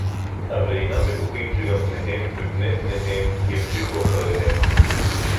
אבל אינם בטוחים שגם בניהם ובני בניהם ימשיכו אחריהם